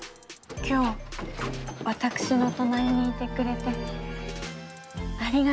今日私の隣にいてくれてありがとう。